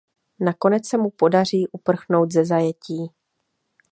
Nakonec se mu podaří uprchnout ze zajetí.